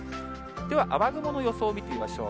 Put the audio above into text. では雨雲の予想を見てみましょう。